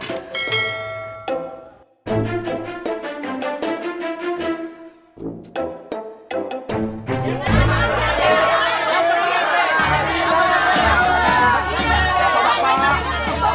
tidak tidak tidak